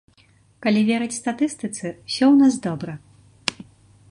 Калі верыць статыстыцы, усё ў нас добра.